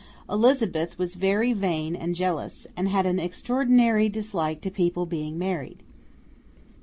Elizabeth was very vain and jealous, and had an extraordinary dislike to people being married.